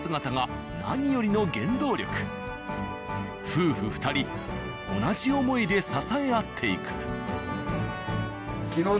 夫婦２人同じ思いで支え合っていく。